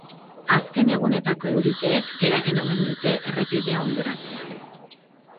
Azken egunetako euriteek eragin omen dute errepidea hondoratzea.